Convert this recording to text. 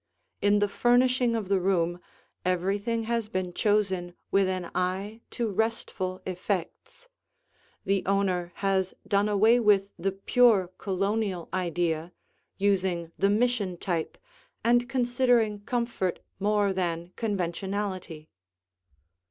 In the furnishing of the room everything has been chosen with an eye to restful effects; the owner has done away with the pure Colonial idea, using the mission type and considering comfort more than conventionality.